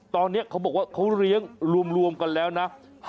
ตอนนี้เขาบอกว่าเขาเลี้ยงรวมกันแล้วนะ